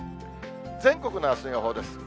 全国のあすの予報です。